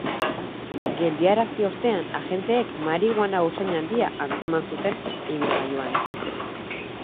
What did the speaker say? Geldiarazi ostean, agenteek marihuana usain handia atzeman zuten ibilgailuan.